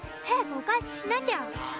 早くお返ししなきゃ。